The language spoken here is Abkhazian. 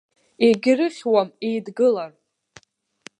Егьрыхьуам еидгылар.